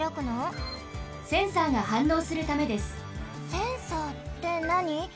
センサーってなに？